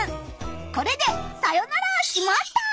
これでさよなら「しまった！」。